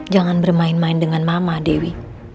jangan bermain main dengan mama dewi